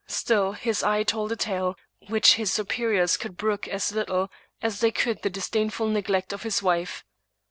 Still his eye told a tale which his superiors could brook as little as they could the disdainful neglect of his wife.